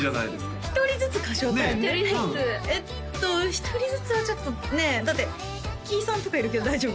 １人ずつえっと１人ずつはちょっとねえだってキイさんとかいるけど大丈夫？